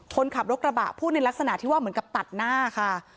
คนขับรถกระบะพูดในลักษณะที่ว่าเหมือนกับตัดหน้าค่ะ